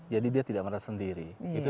jadi dia tidak merasa sendiri itu